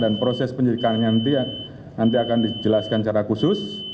dan proses penyidikannya nanti akan dijelaskan secara khusus